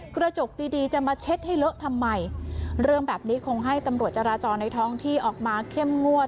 กระจกดีดีจะมาเช็ดให้เลอะทำไมเรื่องแบบนี้คงให้ตำรวจจราจรในท้องที่ออกมาเข้มงวด